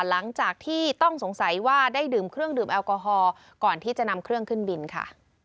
หลังจากที่ต้องสงสัยว่าได้ดื่มเครื่องดื่มแอลกอฮอล์ก่อนที่จะนำเครื่องขึ้นบินค่ะ